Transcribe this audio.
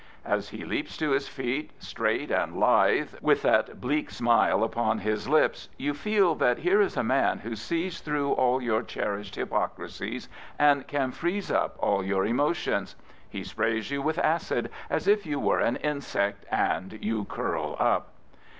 As he leaps to his feet, straight and lithe, with that bleak smile upon his lips, you feel that here is a man who sees through all your cherished hypocrisies, and can freeze up all your emotions. ,He,. sprays you with acid as if you were an insect, and you curl up.